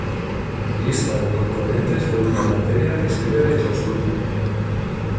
Lista de componentes de una materia que sirve de consulta.